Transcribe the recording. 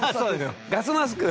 ガスマスク？